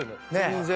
全然。